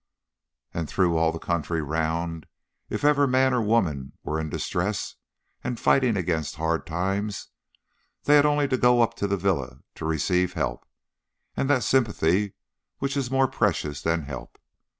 And through all the country round, if ever man or woman were in distress and fighting against hard times, they had only to go up to the villa to receive help, and that sympathy which is more precious than help.